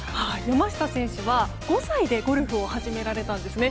山下選手は５歳でゴルフを始められたんですね。